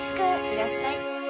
いらっしゃい。